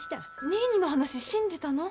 ニーニーの話信じたの？